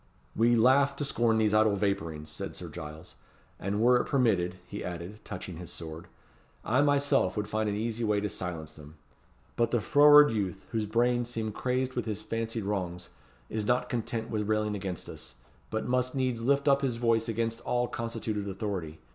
"We laugh to scorn these idle vapourings," said Sir Giles; "and were it permitted," he added, touching his sword, "I myself would find an easy way to silence them. But the froward youth, whose brains seem crazed with his fancied wrongs, is not content with railing against us, but must needs lift up his voice against all constituted authority.